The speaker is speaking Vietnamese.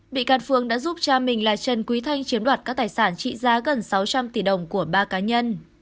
bị can phương đã giúp cha mình là trần quý thanh chiếm đoạt các tài sản trị giá gần sáu trăm linh tỷ đồng của ba cá nhân